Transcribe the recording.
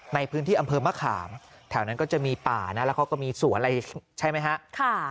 ในพื้นที่อำเภอมะขามแถวนั้นก็จะมีป่านะแล้วเขาก็มีสวนอะไรใช่ไหมฮะ